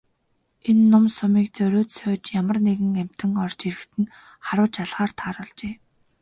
Энэ нум сумыг зориуд сойж ямар нэгэн амьтан орж ирэхэд нь харваж алахаар тааруулжээ.